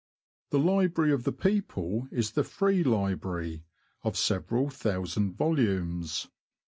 The library of the people is the Free Library, of several thousand volumes.